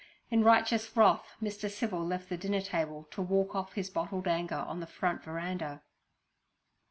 In righteous wrath, Mr. Civil left the dinner table to walk off his bottled anger on the front veranda.